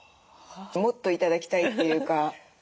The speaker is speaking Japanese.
もっと頂きたいというか。